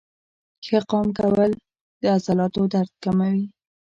ښه قام کول د عضلاتو درد کموي.